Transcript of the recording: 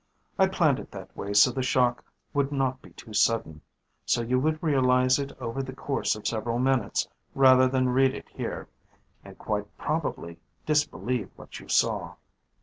I planned it that way so the shock would not be too sudden, so you would realize it over the course of several minutes rather than read it here and quite probably disbelieve what you read.